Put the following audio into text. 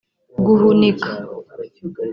guhunika